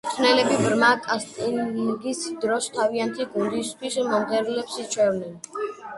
მწვრთნელები ბრმა კასტინგის დროს თავიანთი გუნდისთვის მომღერლებს ირჩევენ.